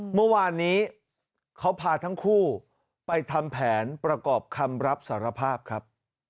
เมื่อวานนี้เขาพาทั้งคู่ไปทำแผนประกอบคำรับสารภาพครับ